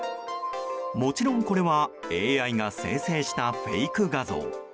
もちろん、これはＡＩが生成したフェイク画像。